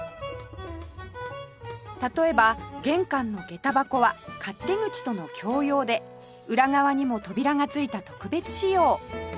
例えば玄関のげた箱は勝手口との共用で裏側にも扉が付いた特別仕様